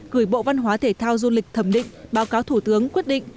gửi bộ văn hóa thể thao du lịch thẩm định báo cáo thủ tướng quyết định